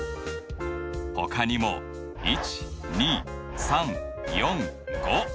ほかにも１２３４５